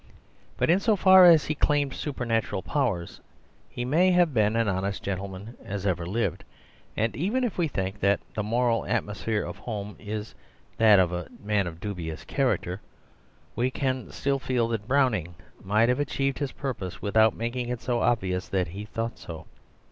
But in so far as he claimed supernatural powers, he may have been as honest a gentleman as ever lived. And even if we think that the moral atmosphere of Home is that of a man of dubious character, we can still feel that Browning might have achieved his purpose without making it so obvious that he thought so.